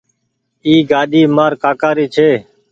اي گآڏي مآر ڪآڪآ ري ڇي